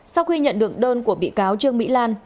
sau khi nhận được đơn của bị cáo trương mỹ lan